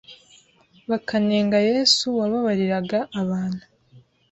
bakanenga Yesu wababariraga abantu